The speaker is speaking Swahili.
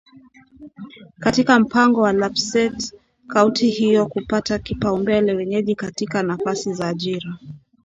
katika mpango wa lapset kaunti hiyo kupatia kipaumbele wenyeji katika nafasi za ajira